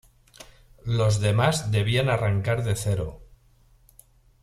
Los demás debían arrancar de cero.